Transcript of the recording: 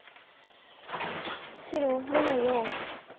白２の四。